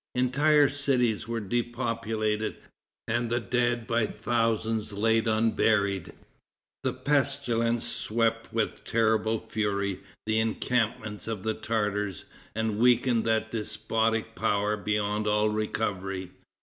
Entire cities were depopulated, and the dead by thousands lay unburied. The pestilence swept with terrible fury the encampments of the Tartars, and weakened that despotic power beyond all recovery.